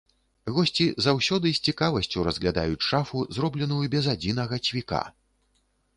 Госці заўсёды з цікавасцю разглядаюць шафу, зробленую без адзінага цвіка!